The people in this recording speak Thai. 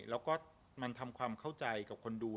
แล้วก็มันทำความเข้าใจกับคนดู